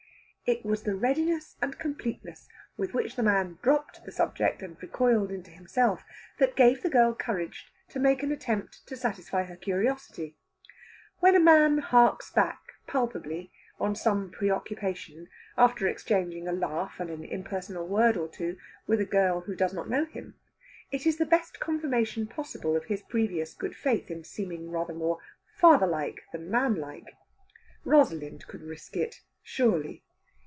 It was the readiness and completeness with which the man dropped the subject, and recoiled into himself, that gave the girl courage to make an attempt to satisfy her curiosity. When a man harks back, palpably, on some preoccupation, after exchanging a laugh and an impersonal word or two with a girl who does not know him, it is the best confirmation possible of his previous good faith in seeming more fatherlike than manlike. Rosalind could risk it, surely.